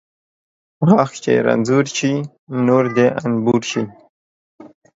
غاښ چې رنځور شي ، نور د انبور شي